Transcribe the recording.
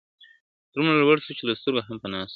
دومره لوړ سو چي له سترګو هم پناه سو !.